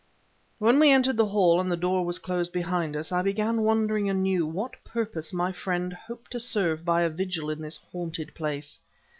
When we entered the hall and the door was closed behind us, I began wondering anew what purpose my friend hoped to serve by a vigil in this haunted place.